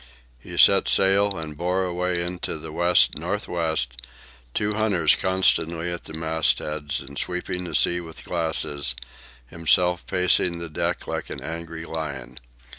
He set sail and bore away into the west north west, two hunters constantly at the mastheads and sweeping the sea with glasses, himself pacing the deck like an angry lion.